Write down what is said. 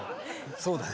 そうだね。